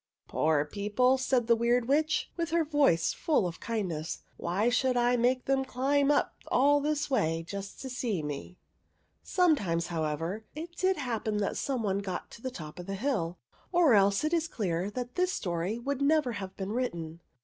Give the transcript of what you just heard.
" Poor people !'' said the Weird Witch, with her voice full of kindness ;" why should I make them climb up all this way, just to see me ?" Sometimes, however, it did happen that somebody got to the top of the hill ; or else it is clear that this story would never have been written.